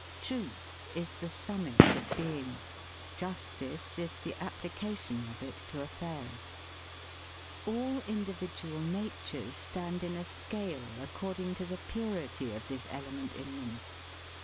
Truth is the summit of being: justice is the application of it to affairs. All individual na tures stand in a scale, according to the purity of this element in them.